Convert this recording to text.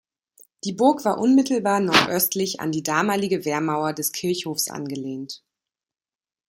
Die Burg war unmittelbar nordöstlich an die damalige Wehrmauer des Kirchhofs angelehnt.